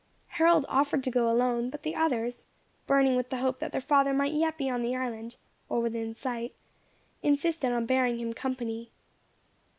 Harold offered to go alone; but the others, burning with the hope that their father might yet be on the island, or within sight, insisted on bearing him company.